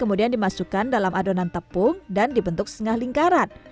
kemudian dimasukkan dalam adonan tepung dan dibentuk setengah lingkaran